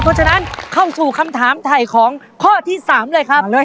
เพราะฉะนั้นเข้าสู่คำถามถ่ายของข้อที่๓เลยครับ